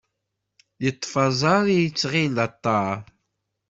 Yeṭṭef aẓar yetɣil d aṭar